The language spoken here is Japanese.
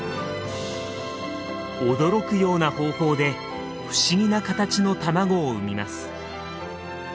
驚くような方法で不思議な形の卵を産みます。